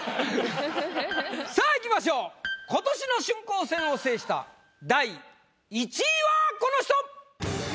さぁいきましょう今年の春光戦を制した第１位はこの人！